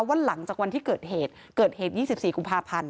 วันหลังจากวันที่เกิดเหตุเกิดเหตุยี่สิบสี่กุมภาพันธุ์